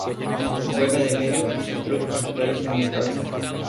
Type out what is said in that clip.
Juega de medio y su club actual es el Necaxa